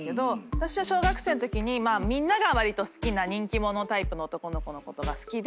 私は小学生のときにみんながわりと好きな人気者タイプの男の子のことが好きで。